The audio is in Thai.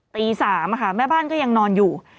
ตี๓แม่บ้านก็ยังนอนอยู่